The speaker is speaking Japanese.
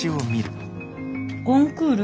コンクール？